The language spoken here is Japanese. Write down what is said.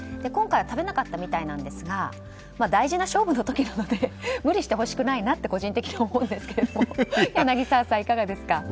今回は食べなかったみたいですが大事な勝負の時なので無理してほしくないなと個人的に思うんですけれども柳澤さん、いかがですか。